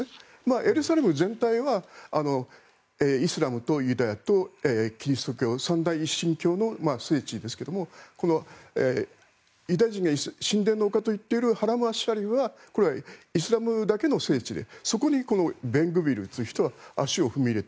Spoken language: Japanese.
エルサレム全体はイスラムとユダヤとキリスト教三大一神教の聖地ですがこのユダヤ人が神殿の丘といっているハラム・アッシャリーフはこれはイスラムだけの聖地でそこにベングビールという人は足を踏み入れた。